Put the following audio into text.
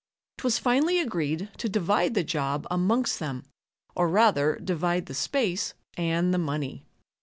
'Twas finally agreed to divide the job amongst them, or rather divide the space and the money.